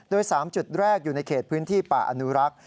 โดย๓จุดแรกอยู่ในเขตพื้นที่ป่าอนุรักษ์